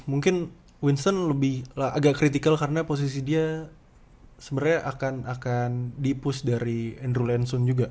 mungkin winston agak critical karena posisi dia sebenernya akan di push dari andrew lansunya